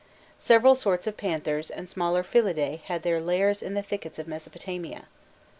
Several sorts of panthers and smaller felidae had their lairs in the thickets of Mesopotamia.